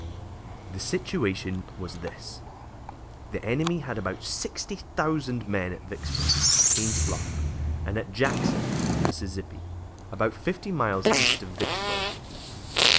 The situation was this: The enemy had about sixty thousand men at Vicksburg, Haines' Bluff, and at Jackson, Mississippi, about fifty miles east of Vicksburg.